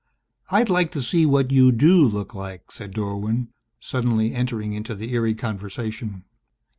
"I'd like to see what you do look like," said Dorwin, suddenly entering into the eerie conversation.